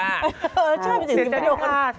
เออใช่แม่จิกสิงค์ทัวร์ไม่ลงค่ะแม่จิกสิงค์ทัวร์ไม่ลงค่ะ